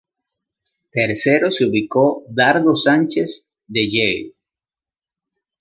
Tercero se ubicó Dardo Sánchez del Yale.